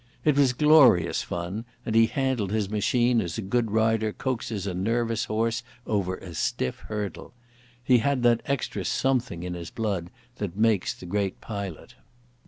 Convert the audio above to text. It was glorious fun, and he handled his machine as a good rider coaxes a nervous horse over a stiff hurdle. He had that extra something in his blood that makes the great pilot.